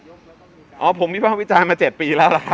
คุณก็ยอมรับใช่ไหมว่าที่ผ่านมามีการพูดถึงนายกแล้วก็มีการ